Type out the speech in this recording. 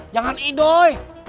jangan i doi